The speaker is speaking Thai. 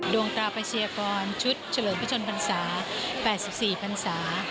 ดวงประชีากรชุดเฉลิมพระชนมพรรษา๘๔พรรษา